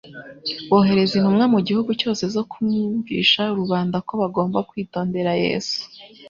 Bohereza intumwa mu gihugu cyose zo kumvisha rubanda ko bagomba kwitondera Yesu,